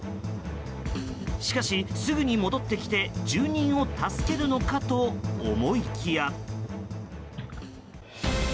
しかし、すぐに戻ってきて住人を助けるのかと思いきや。